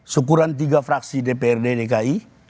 syukuran tiga fraksi dprd dki